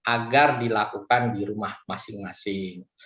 agar dilakukan di rumah masing masing